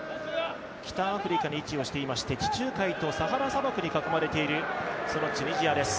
北アフリカに位置してまして地中海とサハラ砂漠に囲まれているチュニジアです。